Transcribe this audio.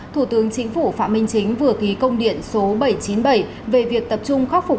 thủ tướng chính phủ phạm minh chính vừa ký công điện số bảy trăm chín mươi bảy về việc tập trung khắc phục